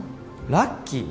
ラッキー？